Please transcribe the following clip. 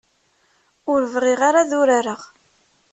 Ur bɣiɣ ara ad urareɣ.